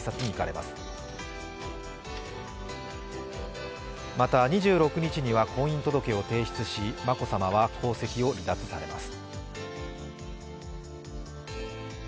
また、２６日には婚姻届を提出し、眞子さまは皇籍を離脱されます。